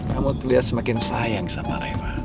namun terlihat semakin sayang sama reva